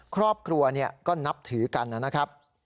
ครอบครัวก็นับถือกันนะครับ